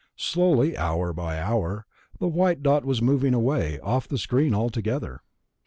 Slowly, hour by hour, the white dot was moving away, off the screen altogether....